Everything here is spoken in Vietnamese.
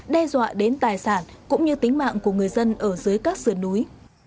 đe dọa đến tài sản cũng như tính mạng của người dân ở dưới các sườn núi